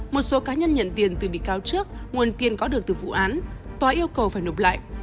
một số cá nhân nhận tiền từ bị cáo trước nguồn tiền có được từ vụ án tòa yêu cầu phải nộp lại